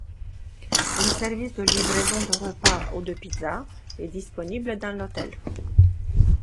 Un service de livraison de repas ou de pizzas est disponible dans l'hôtel.